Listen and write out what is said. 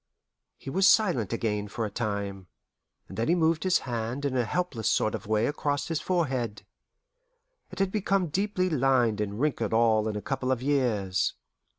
He was silent again for a time, and then he moved his hand in a helpless sort of way across his forehead. It had become deeply lined and wrinkled all in a couple of years.